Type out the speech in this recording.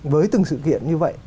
với từng sự kiện như vậy